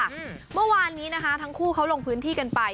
เมื่อวานนี้นะคะทั้งคู่เขาลงพื้นที่กันไป